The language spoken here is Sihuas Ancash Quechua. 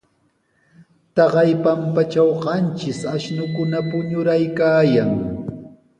Taqay pampatraw qanchis ashnukuna puñuraykaayan.